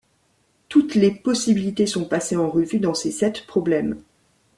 Toutes les possibilités sont passées en revue dans ces sept problèmes.